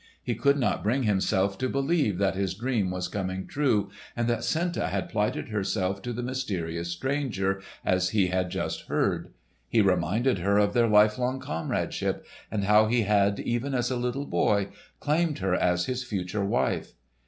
He could not bring himself to believe that his dream was coming true, and that Senta had plighted herself to the mysterious stranger, as he had just heard. He reminded her of their lifelong comradeship, and how he had, even as a little boy, claimed her as his future wife.